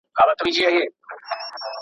هغه سیند چې په کلي کې بهېږي ډېر سړی دی.